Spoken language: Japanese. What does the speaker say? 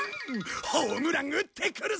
ホームラン打ってくるぜ！